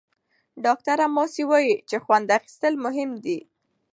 ډاکټره ماسي وايي چې خوند اخیستل مهم دي.